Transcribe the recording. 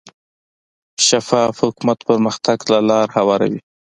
شفاف حکومت پرمختګ ته لار هواروي.